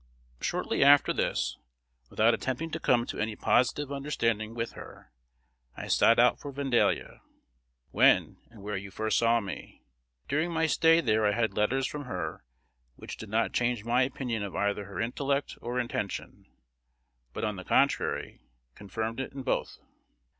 Shortly after this, without attempting to come to any positive understanding with her, I sat out for Vandalia, when and where you first saw me. During my stay there I had letters from her which did not change my opinion of either her intelect or intention, but, on the contrary, confirmed it in both.